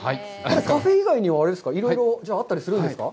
カフェ以外にはいろいろあったりするんですか？